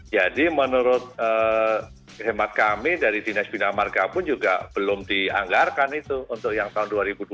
jadi menurut khidmat kami dari dinas binamarga pun juga belum dianggarkan itu untuk yang tahun dua ribu dua puluh